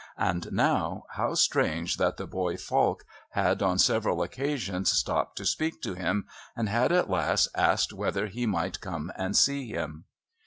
And now, how strange that the boy Falk had on several occasions stopped to speak to him and had at last asked whether he might come and see him!